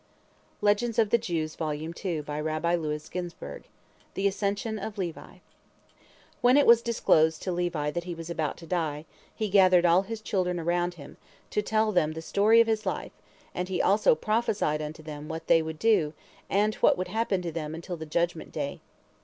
THE ASCENSION OF LEVI When it was disclosed to Levi that he was about to die, he gathered all his children around him, to tell them the story of his life, and he also prophesied unto them what they would do, and what would happen to them until the judgment day.